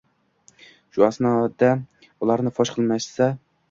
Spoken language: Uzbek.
shu asnoda ularni fosh qilishmasa